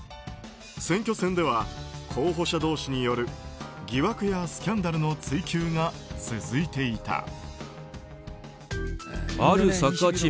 選挙戦では候補者同士による疑惑やスキャンダルの追及が続いていた。